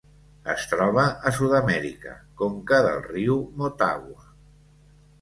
Es troba a Sud-amèrica: conca del riu Motagua.